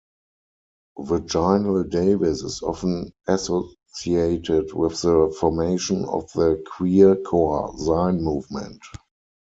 Vaginal Davis is often associated with the formation of the Queercore zine movement.